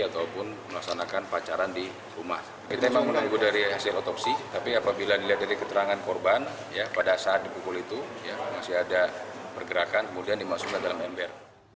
tersangka berinisial sn mengaku membunuh sang anak yang berusia tiga tahun rewel